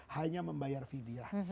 hanya membayar fidyah